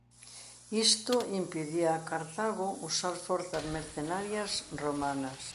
Isto impedía a Cartago usar forzas mercenarias romanas.